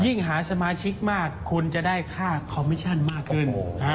หาสมาชิกมากคุณจะได้ค่าคอมมิชั่นมากขึ้น